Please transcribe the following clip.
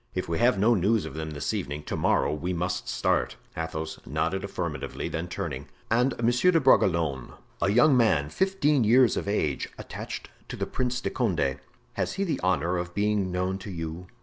"If we have no news of them this evening, to morrow we must start." Athos nodded affirmatively, then turning: "And Monsieur de Bragelonne, a young man fifteen years of age, attached to the Prince de Condé—has he the honor of being known to you?"